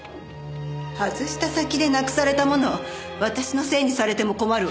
外した先でなくされたものを私のせいにされても困るわ。